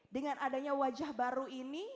dengan adanya wajah baru ini